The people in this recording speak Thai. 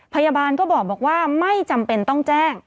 พยาบาลก็บอกว่าไม่จำเป็นต้องแจ้ง